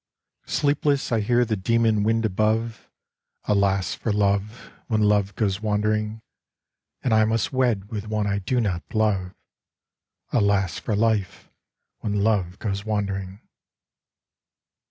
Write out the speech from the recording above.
Sleepless I hear the demon wind above Alas for love when love goes wandering! And I must wed with one I do not love Alas for life when love goes wandering!